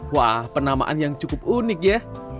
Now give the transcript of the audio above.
wah penamaan yang cukup unik ya